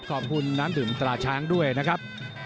ขอบคุณน้ำดื่มตราช้างด้วยนะครับ